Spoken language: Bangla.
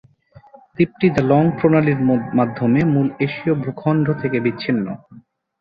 দ্বীপটি দ্য লং প্রণালীর মাধ্যমে মূল এশীয় ভূখণ্ড থেকে বিচ্ছিন্ন।